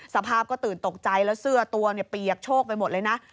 สภาพก็ตื่นตกใจแล้วเสื้อตัวเนี่ยเปียกโชคไปหมดเลยนะ